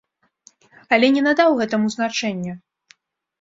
Але не надаў гэтаму значэння.